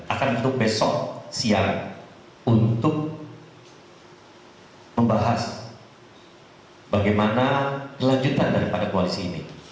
akan untuk besok siang untuk membahas bagaimana kelanjutan daripada koalisi ini